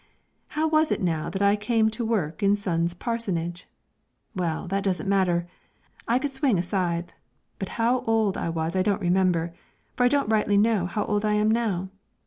"How was it now that I came to work in Sund's parsonage? well, that doesn't matter I could swing a scythe, but how old I was I don't remember, for I don't rightly know how old I am now.